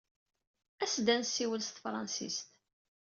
As-d ad nessiwel s tefṛensist.